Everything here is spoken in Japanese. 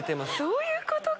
そういうことか！